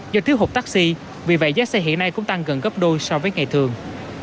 do thiếu hụt taxi vì vậy giá xe hiện nay cũng tăng gần gấp đôi so với ngày thường